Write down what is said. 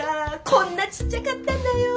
こんなちっちゃかったんだよ！